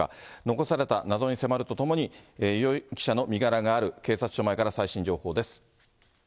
残された謎に迫るとともに、容疑者の身柄がある警察署前から最新情報です。